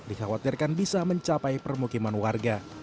dikhawatirkan bisa mencapai permukiman warga